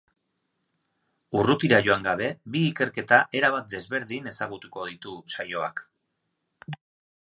Urrutira joan gabe, bi ikerketa erabat desberdin ezagutuko ditu saioak.